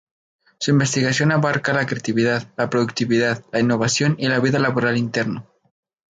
Su investigación abarca la creatividad, la productividad, la innovación, y la vida laboral interno.